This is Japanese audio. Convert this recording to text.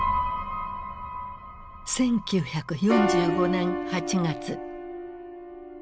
１９４５年８月。